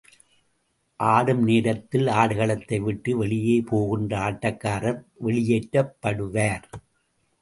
ஆடும் நேரத்தில் ஆடுகளத்தை விட்டு வெளியே போகின்ற ஆட்டக்காரர் வெளியேற்றப்படுவார்.